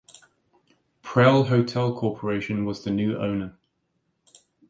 Prell Hotel Corporation was the new owner.